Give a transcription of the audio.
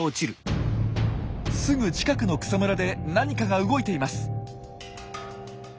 すぐ近くの草むらで何かが動いています。